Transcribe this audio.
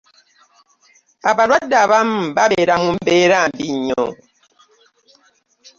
Abalwadde abamu babeera mumbeera mbi nnyo.